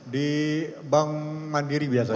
di bank mandiri biasa